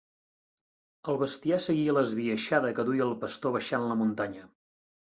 El bestiar seguia l'esbiaixada que duia el pastor baixant la muntanya.